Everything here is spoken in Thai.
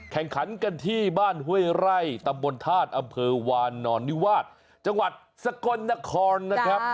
แข่งขันกันที่บ้านห้วยไร่ตำบลธาตุอำเภอวานอนนิวาสจังหวัดสกลนครนะครับ